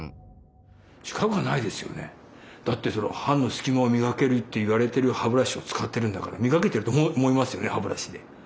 だって歯のすき間を磨けるといわれてる歯ブラシを使ってるんだから磨けてると思いますよね歯ブラシで。